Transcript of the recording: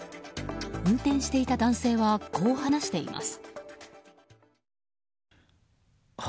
運転していた男性はこう話しています。